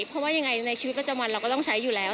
เพราะว่ายังไงในชีวิตประจำวันเราก็ต้องใช้อยู่แล้ว